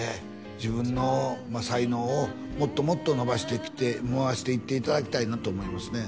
自分の才能をもっともっと伸ばしてきて伸ばしていっていただきたいなと思いますね